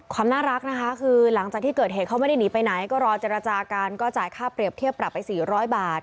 ความน่ารักนะคะคือหลังจากที่เกิดเหตุเขาไม่ได้หนีไปไหนก็รอเจรจากันก็จ่ายค่าเปรียบเทียบปรับไป๔๐๐บาท